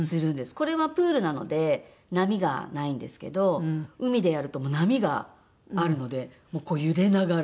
これはプールなので波がないんですけど海でやると波があるのでこう揺れながら。